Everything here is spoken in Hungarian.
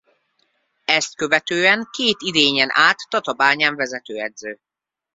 Ezt követően két idényen át Tatabányán vezetőedző.